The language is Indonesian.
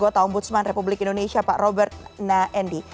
kabupaten kabupaten budsman republik indonesia pak robert naendi